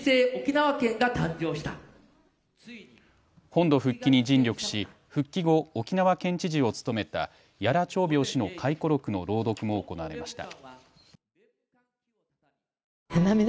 本土復帰に尽力し復帰後、沖縄県知事を務めた屋良朝苗氏の回顧録の朗読も行われました。